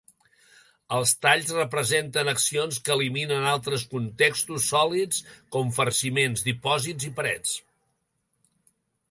Els talls representen accions que eliminen altres contextos sòlids com farciments, dipòsits i parets.